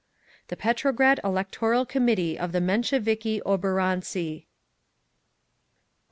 The Petrograd Electoral Committee of the Mensheviki oborontzi. 11.